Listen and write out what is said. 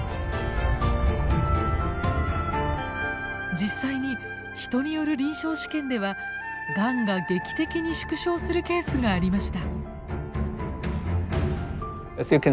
実際に人による臨床試験ではがんが劇的に縮小するケースがありました。